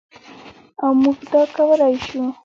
او موږ دا کولی شو.